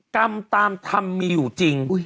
กรรมตามธรรมมีอยู่จริง